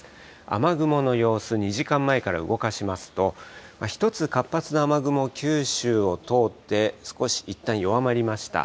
雨雲の様子、２時間前から動かしますと、１つ、活発な雨雲、九州を通って、少しいったん弱まりました。